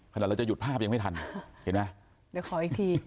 เราจะหยุดภาพยังไม่ทันเห็นไหมเดี๋ยวขออีกที